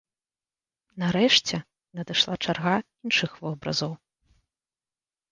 Нарэшце надышла чарга іншых вобразаў.